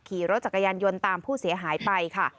ขี่รถจักรยานยนต์ตามผู้เสียหายไปค่ะ